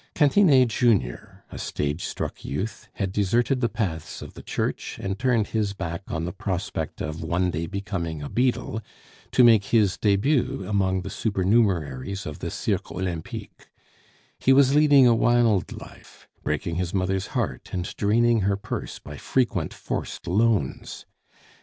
Cantinet junior, a stage struck youth, had deserted the paths of the Church and turned his back on the prospect of one day becoming a beadle, to make his debut among the supernumeraries of the Cirque Olympique; he was leading a wild life, breaking his mother's heart and draining her purse by frequent forced loans.